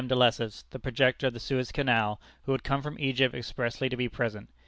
de Lesseps, the projector of the Suez Canal, who had come from Egypt expressly to be present.